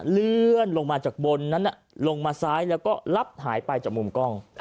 เลื่อนลงมาจากบนนั้นลงมาซ้ายแล้วก็รับหายไปจากมุมกล้อง